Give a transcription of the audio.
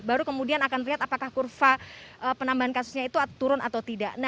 baru kemudian akan lihat apakah kurva penambahan kasusnya itu turun atau tidak